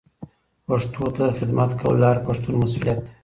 پښتو ته خدمت کول د هر پښتون مسولیت دی.